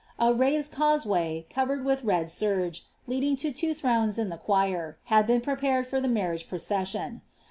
A •d causeway, covered wilh red serge, lending lo Iwo ihroites in tho lir, had been prepared for the marriage process ion.